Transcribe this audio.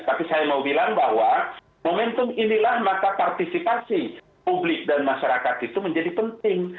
tapi saya mau bilang bahwa momentum inilah maka partisipasi publik dan masyarakat itu menjadi penting